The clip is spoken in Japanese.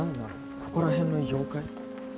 ここら辺の妖怪？